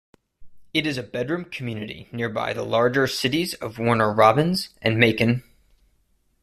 It is a bedroom community nearby the larger cities of Warner Robins and Macon.